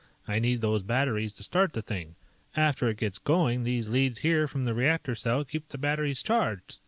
I need those batteries to start the thing. After it gets going, these leads here from the reactor cell keep the batteries charged.